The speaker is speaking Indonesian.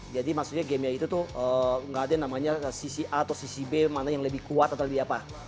jadi maksudnya game game itu tuh gak ada yang namanya sisi a atau sisi b mana yang lebih kuat atau lebih apa